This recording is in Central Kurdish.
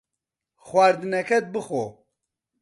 خواردنەکەت بخۆ.